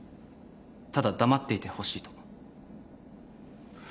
ただ黙っていてほしいと。